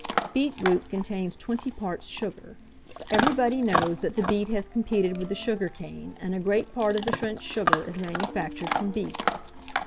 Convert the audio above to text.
Beetroot contains twenty parts sugar. Everybody knows that the beet has competed with the sugar cane, and a great part of the French sugar is manufactured from beet.